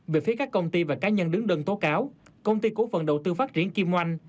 về phía các công ty và cá nhân đứng đơn tố cáo công ty cổ phần đầu tư phát triển kim oanh